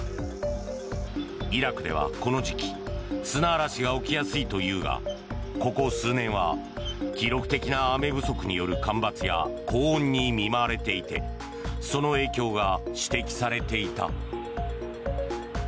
イラクではこの時期砂嵐が起きやすいというがここ数年は記録的な雨不足による干ばつや高温に見舞われていてその影響が指摘されていた。